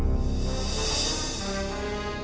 aku sudah berpikir